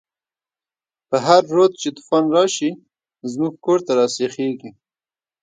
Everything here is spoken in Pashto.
په هر رود چی توفان راشی، زموږ کور ته راسيخيږی